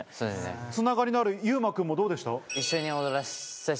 つながりのあるＹＵＭＡ君もどうでした？